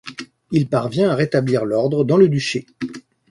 Il parvient à rétablir l'ordre dans le duché.